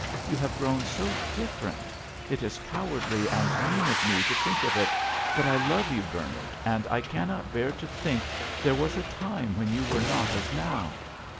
You have grown so different. It is cowardly and mean of me to think of it, but I love you, Bernard, and I cannot bear to think there was a time when you were not as now."